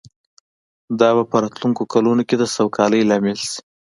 دا به په راتلونکو کلونو کې د سوکالۍ لامل شي